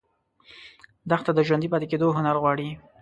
دښته د ژوندي پاتې کېدو هنر غواړي.